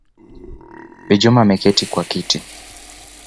Bi Juma ameketi kwa kiti